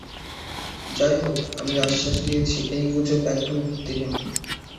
যাইহোক, আমি আশ্বাস দিচ্ছি এই গুজব একদমই ভিত্তিহীন।